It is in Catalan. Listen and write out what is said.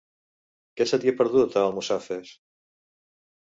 Què se t'hi ha perdut, a Almussafes?